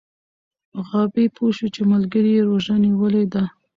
غابي پوه شو چې ملګری یې روژه نیولې ده.